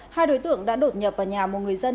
hai đối tượng đã đột nhập vào nhà một người dân